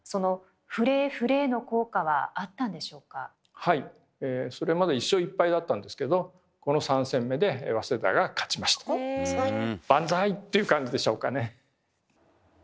はいそれまで１勝１敗だったんですけどこの３戦目でバンザーイっていう感じでしょうかね。